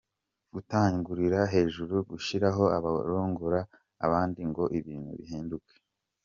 gutangurira hejuru, gushiraho abarongora abandi ngo ibintu bihinduke.